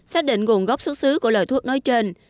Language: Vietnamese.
xác định nguồn gốc xuất xứ của loại thuốc nói trên